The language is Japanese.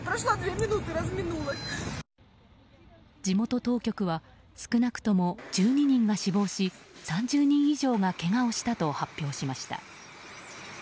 地元当局は少なくとも１２人が死亡し３０人以上がけがをしたと発表しました。